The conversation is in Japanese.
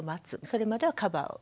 それまではカバーを。